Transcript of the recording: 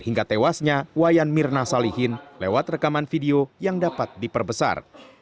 hingga tewasnya wayan mirna salihin lewat rekaman video yang dapat diperbesar